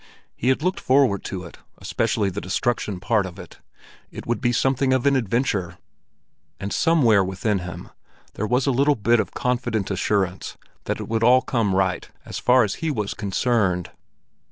He had looked forward to it, especially the destruction part of it; it would be something of an adventure, and somewhere within him there was a little bit of confident assurance that it would all come right as far as he was concerned.